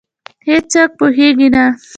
هیڅوک پوهېږې نه،